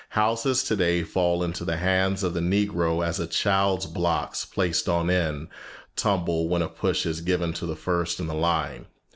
Houses today fall into the hands of the Negro as a child's blocks, placed on end, tumble when a push is given to the first in the line.